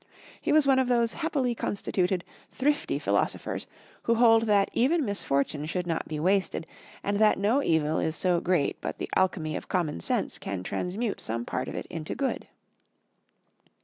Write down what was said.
He was one of those happily constituted, thrifty philosophers who hold that even misfortune should not be wasted, and that no evil is so great but the alchemy of common sense can transmute some part of it into good.